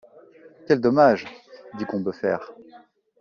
Quel dommage ! dit Combeferre.